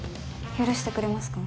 許してくれますか？